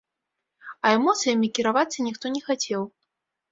А эмоцыямі кіравацца ніхто не хацеў.